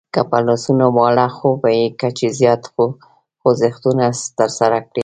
که په لاسونو واړه خو بې کچې زیات خوځښتونه ترسره کړئ